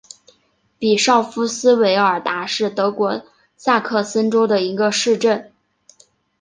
比绍夫斯韦尔达是德国萨克森州的一个市镇。